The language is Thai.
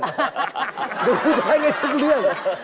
ดูใช้ได้ทุกเรื่อง